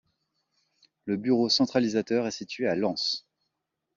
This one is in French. Le bureau centralisateur est situé à Lens.